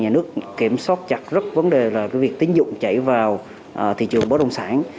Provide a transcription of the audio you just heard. và nhà nước kiểm soát chặt rất vấn đề là việc tín dụng chạy vào thị trường bất động sản